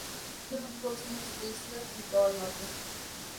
El cráter más próximo es Wexler, situado al norte.